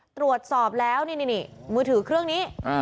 ตรวจสอบแล้วนี่นี่นี่มือถือเครื่องนี้อ่า